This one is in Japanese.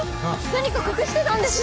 何か隠してたんですか？